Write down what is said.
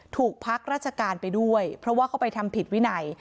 ถูกพักราชการไปด้วยเพราะว่าเขาไปทำผิดวินัย